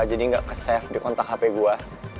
jadi gak ke safe di kontak hp gue